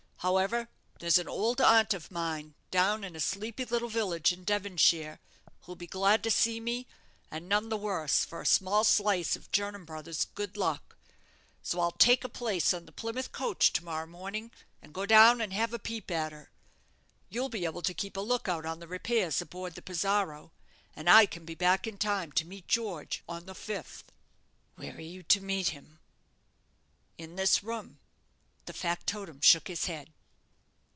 However, there's an old aunt of mine, down in a sleepy little village in Devonshire, who'd be glad to see me, and none the worse for a small slice of Jernam Brothers' good luck; so I'll take a place on the Plymouth coach to morrow morning, and go down and have a peep at her. You'll be able to keep a look out on the repairs aboard of the 'Pizarro', and I can be back in time to meet George on the fifth." "Where are you to meet him?" "In this room." The factotum shook his head.